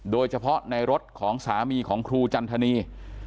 โดยเฉพาะในรถของสามีของครูจันทนี